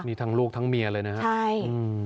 นี่ทั้งลูกทั้งเมียเลยนะครับ